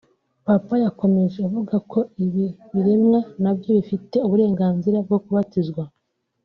Papa yakomeje avuga ko ibi biremwa nabyo bifite uburenganzira bwo kubatizwa